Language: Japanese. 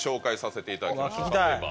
例えば。